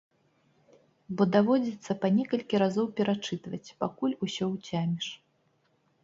Бо даводзіцца па некалькі разоў перачытваць, пакуль усё ўцяміш.